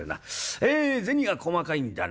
え銭が細かいんだな。